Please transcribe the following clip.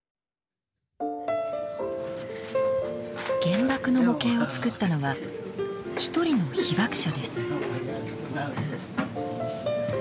原爆の模型をつくったのは一人の被爆者です。